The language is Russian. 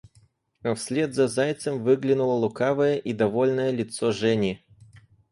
А вслед за зайцем выглянуло лукавое и довольное лицо Жени.